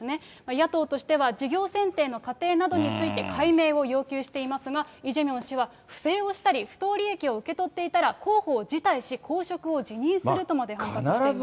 野党としては事業選定の過程などについて解明を要求していますが、イ・ジェミョン氏は不正をしたり、不当利益を受け取っていたら候補を辞退し公職を辞任するとまで反発しています。